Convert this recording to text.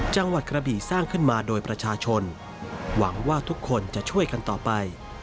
จังหวัดกระบี่สร้างขึ้นมาโดยประชาชนหวังว่าทุกคนจะช่วยกันต่อไป